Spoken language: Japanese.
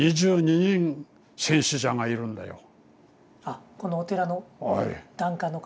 あこのお寺の檀家の方？